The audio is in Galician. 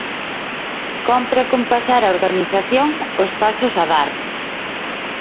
Cómpre acompasar a organización aos pasos a dar.